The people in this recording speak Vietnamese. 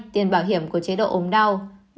hai tiền bảo hiểm của chế độ ốm đau